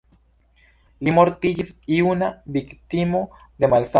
Li mortiĝis juna, viktimo de malsano.